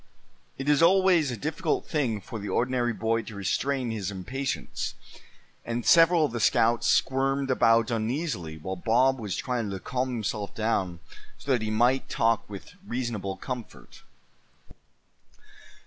It is always a difficult thing for the ordinary boy to restrain his impatience, and several of the scouts squirmed about uneasily while Bob was trying to calm himself down, so that he might talk with reasonable comfort.